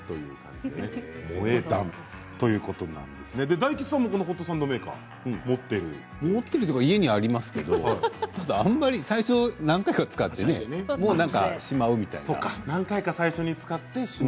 大吉さんもこのホットサンドメーカーを家にありますけど最初何回か使って、もうしまうみたいな。